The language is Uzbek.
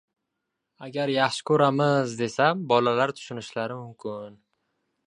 Agar “Yaxshi ko‘ramiz” desam bolalar tushunishlari mumkin